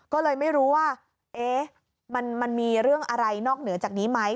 ก็เลยไม่รู้ว่ามันมีเรื่องอะไรนอกเหนือจากนี้ไหม